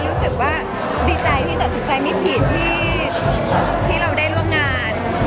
รู้สึกว่าดีใจที่ตัดสินใจไม่ผิดที่เราได้ร่วมงาน